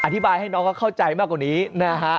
อธิบายให้น้องเขาเข้าใจมากกว่านี้นะฮะ